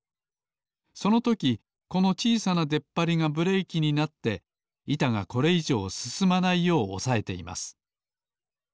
そのときこのちいさなでっぱりがブレーキになっていたがこれいじょうすすまないようおさえています。